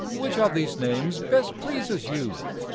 Which of these names best pleases you'?